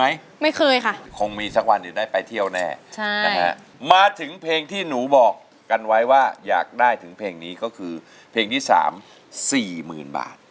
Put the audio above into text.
อินโทรเพลงที่๓นะครับมูลค่าสี่หมื่นบาท